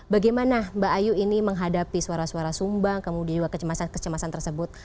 bagaimana mbak ayu ini menghadapi suara suara sumbang kemudian juga kecemasan kecemasan tersebut